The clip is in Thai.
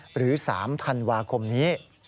หรือ๓ธันวาคมนี้